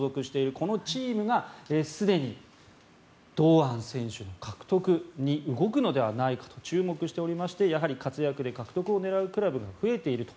このチームがすでに堂安選手の獲得に動くのではないかと注目しておりまして活躍で、獲得を狙うクラブが増えていると。